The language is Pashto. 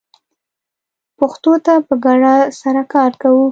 پښتو ته په ګډه سره کار کوو